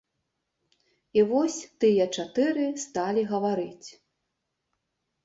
І вось тыя чатыры сталі гаварыць.